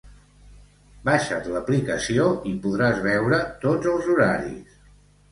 Baixa't l'aplicació i podràs veure tots els horaris